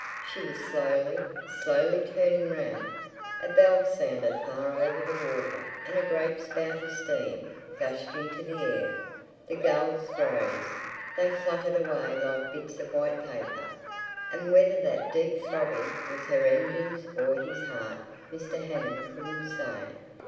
She was slowly, slowly turning round. A bell sounded far over the water and a great spout of steam gushed into the air. The gulls rose; they fluttered away like bits of white paper. And whether that deep throbbing was her engines or his heart Mr. Hammond couldn't say.